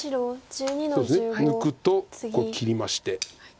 そうですね抜くと切りまして。